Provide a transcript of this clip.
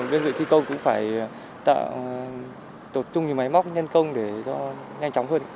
bên dưới thi công cũng phải tập trung những máy móc nhân công để cho nhanh chóng hơn